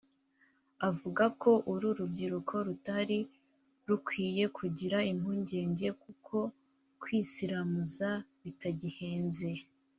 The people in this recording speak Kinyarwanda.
avuga ko uru rubyiruko rutari rukwiye kugira impungenge kuko kwisiramuza bitagihenze